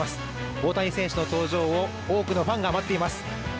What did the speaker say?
大谷選手の登場を多くのファンが待っています。